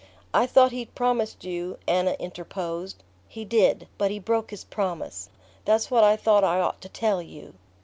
"I thought he'd promised you " Anna interposed. "He did; but he broke his promise. That's what I thought I ought to tell you."